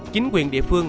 chính quyền địa phương